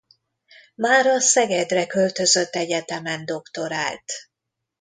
Már a Szegedre költözött egyetemen doktorált.